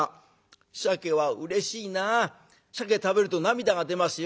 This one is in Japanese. シャケ食べると涙が出ますよ。